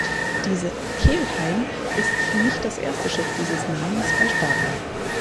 Diese "Kelheim" ist nicht das erste Schiff dieses Namens bei Stadler.